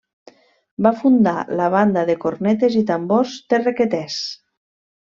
Va fundar la Banda de Cornetes i Tambors de Requetès.